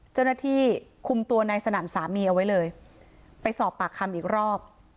เจ้าหน้าที่คุมตัวนายสนั่นสามีเอาไว้เลยไปสอบปากคำอีกรอบ